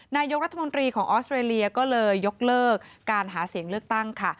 นายกรัฐมนตรีของออสเตรเลียก็เลยยกเลิกการหาเสียงเลือกตั้งค่ะ